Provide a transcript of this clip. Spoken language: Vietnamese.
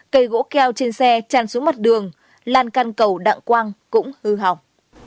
cây gỗ keo trên xe tràn xuống mặt đường lan can cầu đặng quang cũng hư hỏng